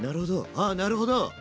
ああなるほど！